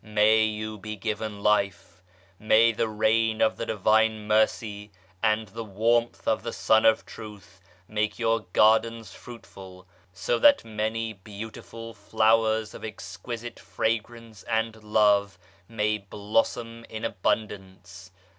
May you be given life ! May the rain of the Divine Mercy and the warmth of the Sun of Truth make your gardens fruitful, so that many beautiful flowers of ex quisite fragrance and love may blossom in abundance.